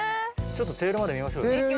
ちょっとテールまで見ましょうよ。